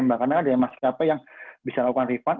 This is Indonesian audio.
karena ada yang maskapai yang bisa lakukan refund